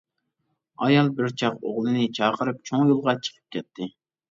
ئايال بىر چاغ ئوغلىنى چاقىرىپ چوڭ يولغا چىقىپ كەتتى.